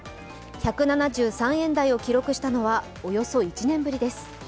１７３円台を記録したのは、およそ１年ぶりです。